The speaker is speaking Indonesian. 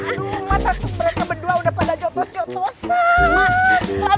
aduh mas aku berantem kedua udah pada jotos jotosan